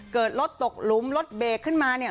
เกิดรถตกหลุมรถเบรกขึ้นมาเนี่ย